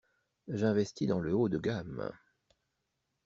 J'investi dans le haut de gamme.